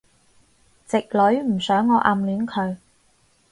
直女唔想我暗戀佢